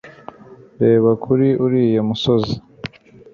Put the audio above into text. reba kuri uriya musozi